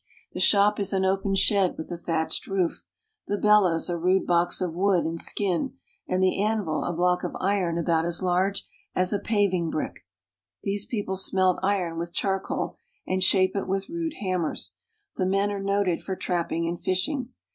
The shop is an open shed with a thatched roof, the bellows a rude box of wood and skin, and the anvil a block of iron about as large as a paving brick. These people smelt iron with charcoal, and shape it with rude hammers. The men are noted for trapping and fishing.